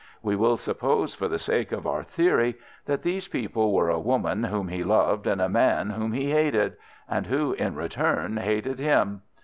We will suppose for the sake of our theory that these people were a woman whom he loved and a man whom he hated—and who in return hated him.